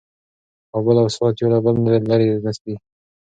کابل او سوات یو له بل نه لرې نه دي.